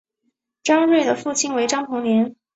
张謇的父亲为张彭年。